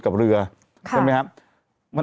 ์กับเรือซะมั้ยครับ